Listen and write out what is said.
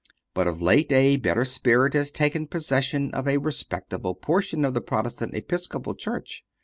But of late a better spirit has taken possession of a respectable portion of the Protestant Episcopal church.